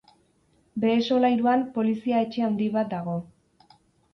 Behe solairuan polizia etxe handi bat dago.